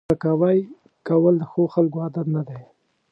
سپکاوی کول د ښو خلکو عادت نه دی